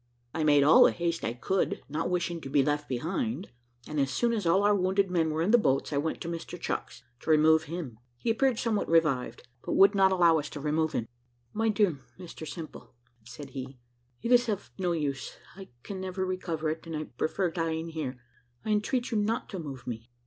I made all the haste I could, not wishing to be left behind; and as soon as all our wounded men were in the boats, I went to Mr Chucks, to remove him. He appeared somewhat revived, but would not allow us to remove him. "My dear Mr Simple," said he, "it is of no use; I can never recover it, and I prefer dying here. I entreat you not to move me.